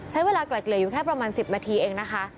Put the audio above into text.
ใช้เวลาไกลเกลี่ยอยู่แค่ประมาณ๑๐นาทีเองนะคะ